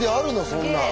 そんなん。